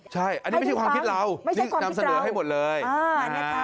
ใช่อันนี้ไม่ใช่ความคิดเรานี่นำเสนอให้หมดเลยนะฮะ